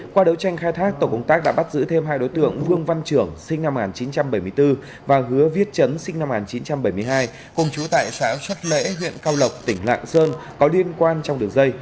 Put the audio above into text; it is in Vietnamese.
qua đấu tranh khai thác tổ công tác đã bắt giữ thêm hai đối tượng vương văn trưởng sinh năm một nghìn chín trăm bảy mươi bốn và hứa viết chấn sinh năm một nghìn chín trăm bảy mươi hai cùng chú tại xã xuất lễ huyện cao lộc tỉnh lạng sơn có liên quan trong đường dây